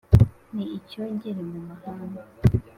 Ni icyogere mu mahanga